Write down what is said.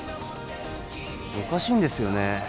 おかしいんですよね